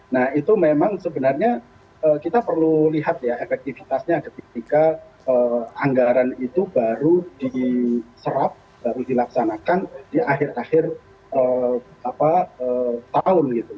nah itu memang sebenarnya kita perlu lihat ya efektivitasnya ketika anggaran itu baru diserap baru dilaksanakan di akhir akhir tahun gitu